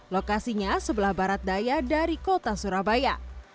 lokasinya sebelah barat daya dari kota surabaya